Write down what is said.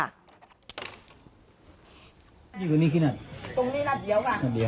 นี่นี่ขึ้นอ่ะตรงนี้นัดเดี๋ยวกันนัดเดี๋ยว